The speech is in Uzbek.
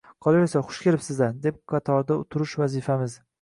Qolaversa, xush kelibsizlar, deb qatorda turish vazifamiz